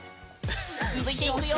続いていくよ！